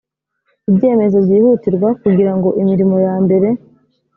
ibyemezo byihutirwa kugira ngo imirimo ya mbere